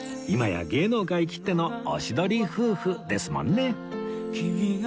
今や芸能界きってのおしどり夫婦ですもんね